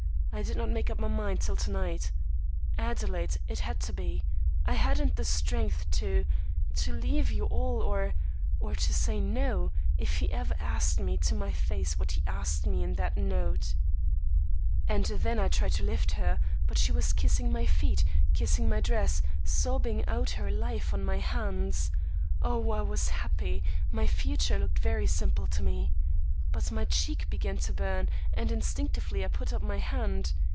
I did not make up my mind till to night. Adelaide, it had to be. I hadn't the strength to to leave you all, or or to say no, if he ever asked me to my face what he asked me in that note,' "And then I tried to lift her; but she was kissing my feet, kissing my dress, sobbing out her life on my hands. Oh, I was happy! My future looked very simple to me. But my cheek began to burn, and instinctively I put up my hand.